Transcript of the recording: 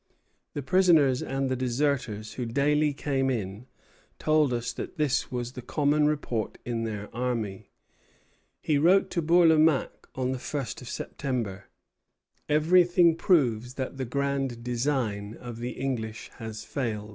The prisoners and the deserters who daily came in told us that this was the common report in their army." He wrote to Bourlamaque on the first of September: "Everything proves that the grand design of the English has failed."